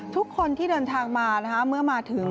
ทุกคนที่เดินทางมาเมื่อมาถึง